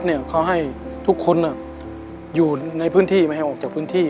รัฐเนี่ยเค้าให้ทุกคนน่ะอยู่ในพื้นที่ไม่ให้ออกจากพื้นที่